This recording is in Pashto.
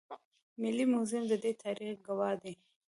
ملي موزیم د دې تاریخ ګواه دی